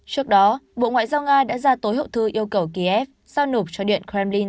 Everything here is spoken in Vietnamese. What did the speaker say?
trước đó bộ ngoại giao nga đã ra tối hậu thư yêu cầu kiev giao nộp cho điện kremlin